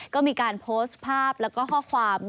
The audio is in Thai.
ก็มีการโพสต์ภาพแล้วก็ข้อความ